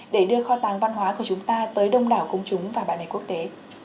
để đưa kho tàng văn hóa của chúng ta tới đông đảo công chúng và bạn bè quốc tế